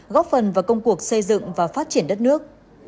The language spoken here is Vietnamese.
góp phần vào công cuộc xây dựng và phát triển đất nước